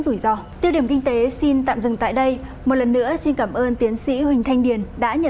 rủi ro tiêu điểm kinh tế xin tạm dừng tại đây một lần nữa xin cảm ơn tiến sĩ huỳnh thanh điền đã nhận